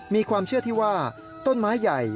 มีความเชื่อที่ว่าต้นไม้ใหญ่